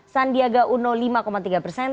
sandiaga uno lima tiga persen